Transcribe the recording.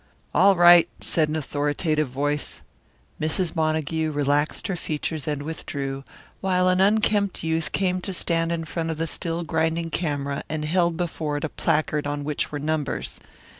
"All right," said an authoritative voice. Mrs. Montague relaxed her features and withdrew, while an unkempt youth came to stand in front of the still grinding camera and held before it a placard on which were numbers.